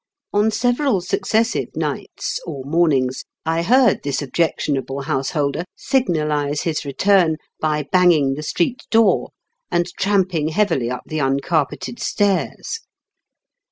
On several successive nights — or mornings — I heard this objection able householder signalise his return by bang ing the street door, and tramping heavily up the uncarpeted stairs.